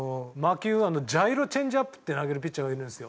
ジャイロチェンジアップっていうのを投げるピッチャーがいるんですよ。